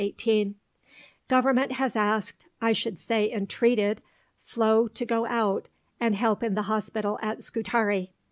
18), "Government has asked, I should say entreated, Flo to go out and help in the Hospital at Scutari.